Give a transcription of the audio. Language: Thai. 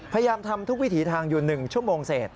พยายามทำทุกวิถีทางอยู่๑ชั่วโมงเศษ